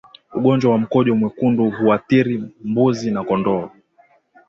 Ugonjwa wa mkojo mwekundu huathiri mbuzi na kondoo